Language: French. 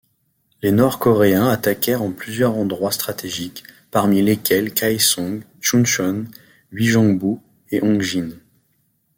Les Nord-Coréens attaquèrent en plusieurs endroits stratégiques, parmi lesquels Kaesong, Chunchon, Uijongbu, et Ongjin.